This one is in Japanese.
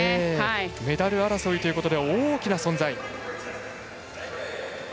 メダル争いということで大きな存在。